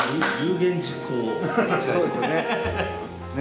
そうですよね。